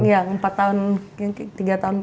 iya empat tahun tiga tahun